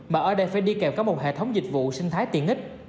mà ở đây phải đi kèm cả một hệ thống dịch vụ sinh thái tiện ích